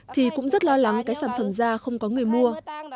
thì cũng rất lo lắng cái sản phẩm da không có người mua